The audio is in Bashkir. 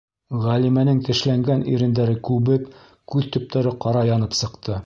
Ғәлимәнең тешләнгән ирендәре күбеп, күҙ төптәре ҡара янып сыҡты.